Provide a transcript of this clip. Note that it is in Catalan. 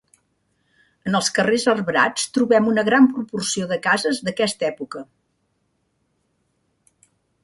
En els carrers arbrats trobem una gran proporció de cases d'aquesta època.